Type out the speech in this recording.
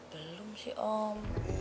belum sih om